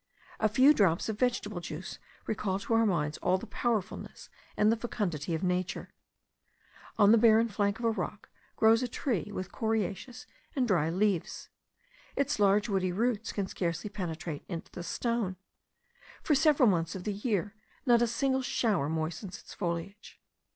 A few drops of vegetable juice recall to our minds all the powerfulness and the fecundity of nature. On the barren flank of a rock grows a tree with coriaceous and dry leaves. Its large woody roots can scarcely penetrate into the stone. For several months of the year not a single shower moistens its foliage.